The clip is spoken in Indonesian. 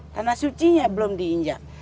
tanah sucinya belum diinjak